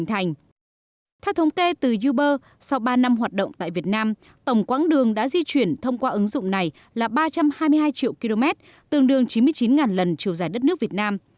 theo thống kê từ uber sau ba năm hoạt động tại việt nam tổng quãng đường đã di chuyển thông qua ứng dụng này là ba trăm hai mươi hai triệu km tương đương chín mươi chín lần chiều dài đất nước việt nam